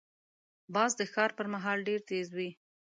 باز د ښکار پر مهال ډېر تیز وي